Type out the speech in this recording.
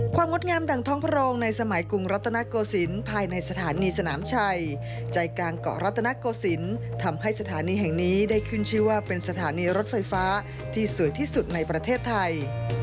งดงามดังท้องพระโรงในสมัยกรุงรัตนโกศิลป์ภายในสถานีสนามชัยใจกลางเกาะรัตนโกศิลป์ทำให้สถานีแห่งนี้ได้ขึ้นชื่อว่าเป็นสถานีรถไฟฟ้าที่สวยที่สุดในประเทศไทย